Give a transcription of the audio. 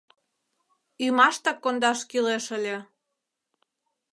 Ӱмаштак кондаш кӱлеш ыле.